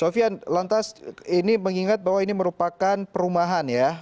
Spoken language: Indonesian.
sofian lantas ini mengingat bahwa ini merupakan perumahan ya